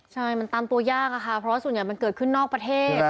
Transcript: ใช่มันตามตัวยากอะค่ะเพราะว่าส่วนใหญ่มันเกิดขึ้นนอกประเทศ